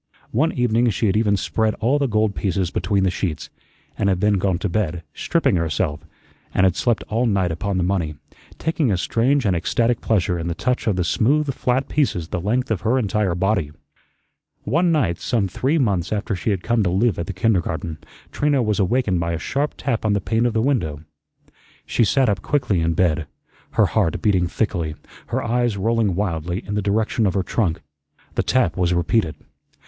One evening she had even spread all the gold pieces between the sheets, and had then gone to bed, stripping herself, and had slept all night upon the money, taking a strange and ecstatic pleasure in the touch of the smooth flat pieces the length of her entire body. One night, some three months after she had come to live at the kindergarten, Trina was awakened by a sharp tap on the pane of the window. She sat up quickly in bed, her heart beating thickly, her eyes rolling wildly in the direction of her trunk. The tap was repeated.